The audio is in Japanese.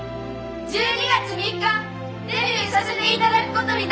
１２月３日デビューさせていただくことになりました！